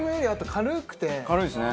軽いですね。